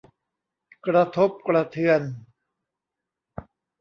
กระทบกระเทือน